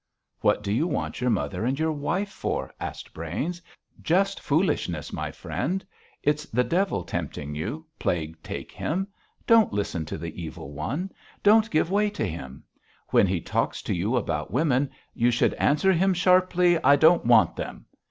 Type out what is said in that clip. "What do you want your mother and your wife for?" asked Brains. "Just foolishness, my friend. It's the devil tempting you, plague take him. Don't listen to the Evil One. Don't give way to him. When he talks to you about women you should answer him sharply: 'I don't want them!'